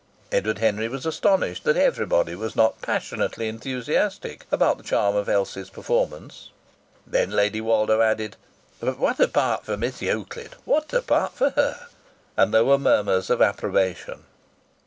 Edward Henry was astonished that everybody was not passionately enthusiastic about the charm of Elsie's performance. Then Lady Woldo added: "But what a part for Miss Euclid! What a part for her!" And there were murmurs of approbation.